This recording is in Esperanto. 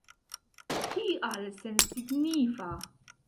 Kial sensignifa?